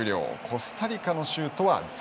コスタリカのシュートは０。